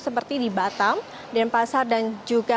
seperti di batam denpasar dan juga